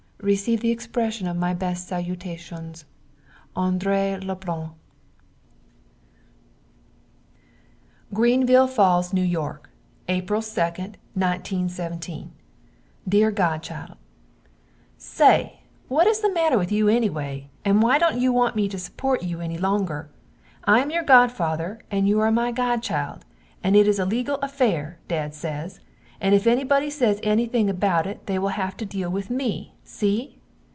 Receive the expression of my best salutations, Andree Leblanc. Greenville Falls, N.Y. April 2, 1917. Deer godchild, Say what is the matter with you ennyway and why don't you want me to support you enny longer? I am your godfather and you are my godchild and it is a legal afare, dad sez, and if ennybody sez ennything about it they will have to deel with me, see?